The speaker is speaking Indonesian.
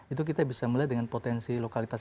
itu kita bisa melihat dengan potensi lokalitas